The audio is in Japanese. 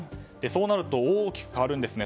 そうなると大きく変わるんですね。